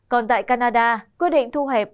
còn tại canada quyết định thu hẹp